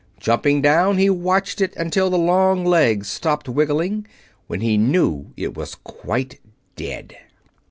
Jumping down, he watched it until the long legs stopped wiggling, when he knew it was quite dead.